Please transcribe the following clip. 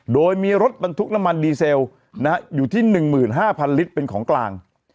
โดยมีรถบรรทุกน้ำมันดีเซลอยู่ที่๑๕๐๐ลิตรเป็นของกลาง